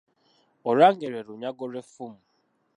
Olwango lwe lunyago lw’effumu.